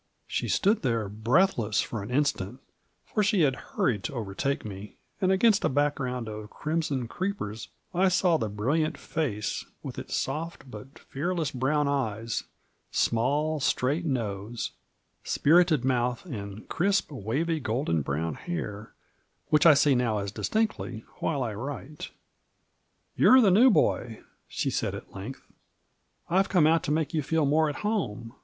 She stood there breathless for an instant, for she had hnrried to overtake me, and against a background of crimson creepers I saw the brilliant face, with its soft but fearless brown eyes, small, straight nose, spirited mouth, and crisp, wavy, golden brown hair, which I see now as distinctly while I write. "You're the new boy," she said at length. "I've come out to make you feel more at home.